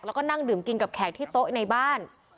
แล้วก็นั่งดื่มกินกับแขกที่โต๊ะในบ้าน